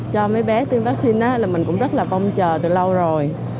cho mấy bé tiêm vaccine là mình cũng rất là phong trờ từ lâu rồi